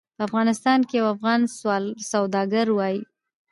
په افغانستان کې یو افغان سوداګر وایي.